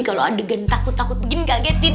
kalau ada gentakku takut begini kagetin